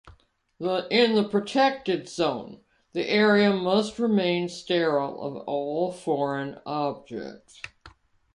In the protected zone, the area must remain sterile of all foreign objects.